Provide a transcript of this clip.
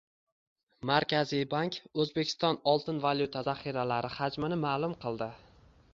Markaziy bank O‘zbekiston oltin-valyuta zaxiralari hajmini ma’lum qildi